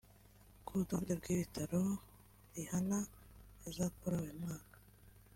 Ku rutonde rw’ibitaramo Rihanna azakora uyu mwaka